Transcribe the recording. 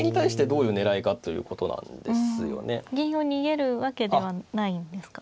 銀を逃げるわけではないんですか。